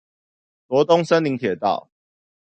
羅東森林鐵道